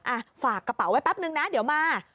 อ่ะฝากกระเป๋าไว้แป๊บนึงนะเดี๋ยวมา